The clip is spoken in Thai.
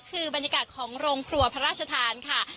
คือบรรยากาศของโรงครัวพระราชทานค่ะ